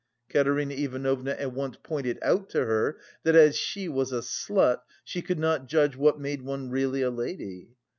Katerina Ivanovna at once pointed out to her, that as she was a slut she could not judge what made one really a lady.